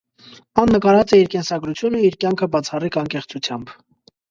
Ան նկարած է իր կենսագրութիւնը, իր կեանքը բացառիկ անկեղծութեամբ։